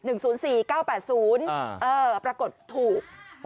เออปรากฏถูก